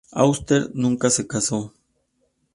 Auster nunca se casó.